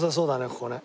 ここね。